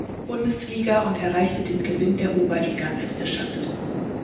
Bundesliga und erreichte den Gewinn der Oberligameisterschaft.